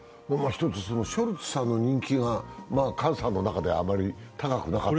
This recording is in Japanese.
ショルツさんの人気が姜さんの中ではあまり高くなかった？